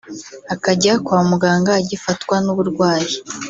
akajya kwa muganga agifatwa n’uburwayi